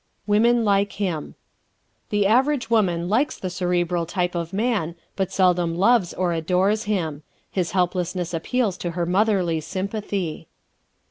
Women Like Him ¶ The average woman likes the Cerebral type of man but seldom loves or adores him. His helplessness appeals to her motherly sympathy.